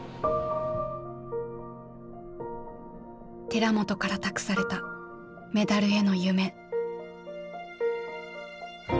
寺本から託されたメダルへの夢。